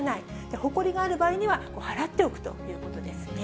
ほこりがある場合には払っておくということですね。